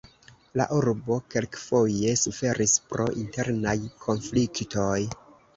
La urbo kelkfoje suferis pro internaj konfliktoj.